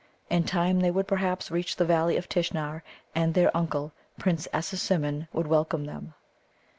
In time they would perhaps reach the Valleys of Tishnar, and their uncle, Prince Assasimmon, would welcome them.